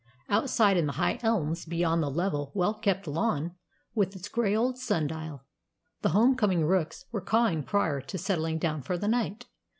Outside, in the high elms beyond the level, well kept lawn, with its grey old sundial, the homecoming rooks were cawing prior to settling down for the night.